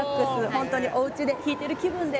本当におうちで弾いてる気分で